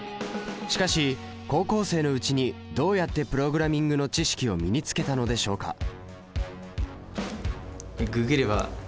しかし高校生のうちにどうやってプログラミングの知識を身につけたのでしょうか？